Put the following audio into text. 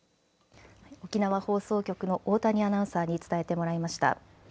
沖縄放送局の大谷アナウンサーに伝えてもらいました。